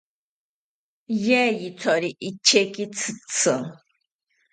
Yeyithori icheki tzitzi